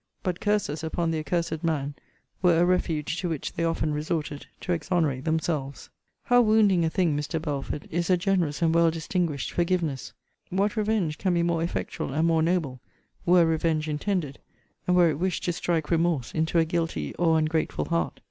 But curses upon the accursed man were a refuge to which they often resorted to exonerate themselves. How wounding a thing, Mr. Belford, is a generous and well distinguished forgiveness! What revenge can be more effectual, and more noble, were revenge intended, and were it wished to strike remorse into a guilty or ungrateful heart!